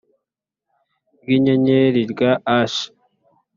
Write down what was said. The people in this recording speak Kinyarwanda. ry inyenyeri rya Ashi